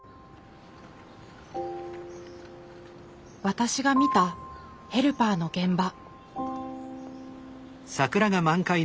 私が見たヘルパーの現場。